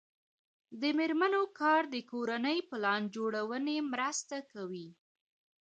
د میرمنو کار د کورنۍ پلان جوړونې مرسته کوي.